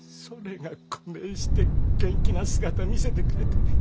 それがこねえして元気な姿見せてくれて。